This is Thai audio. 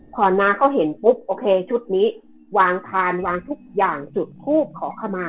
พอน้าเขาเห็นปุ๊บโอเคชุดนี้วางพานวางทุกอย่างจุดทูบขอขมา